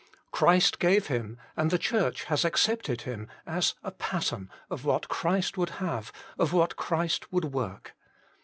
Christ gave him, and the Church has accepted him, as a pattern of what Christ would have, of what Christ would work.